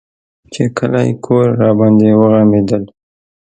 چې کلى کور راباندې وغمېدل.